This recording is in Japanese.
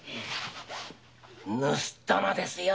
盗っ人のですよ。